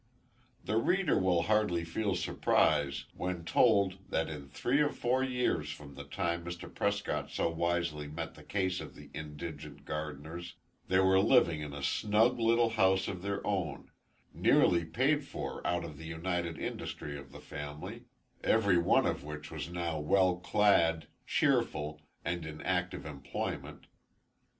The reader will hardly feel surprise, when told, that in three or four years from the time Mr. Prescott so wisely met the case of the indigent Gardiners, they were living in a snug little house of their own, nearly paid for out of the united industry of the family, every one of which was now well clad, cheerful, and in active employment.